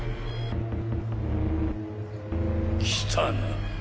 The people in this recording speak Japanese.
来たな。